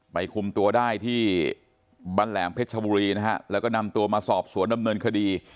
คุมตัวได้ที่บ้านแหลมเพชรชบุรีนะฮะแล้วก็นำตัวมาสอบสวนดำเนินคดี